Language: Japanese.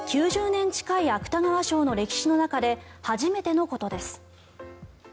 ９０年近い芥川賞の歴史の中で初めてのことです。